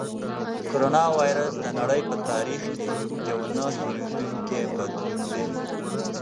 کرونا وېروس د نړۍ په تاریخ کې یو نه هېرېدونکی بدلون دی.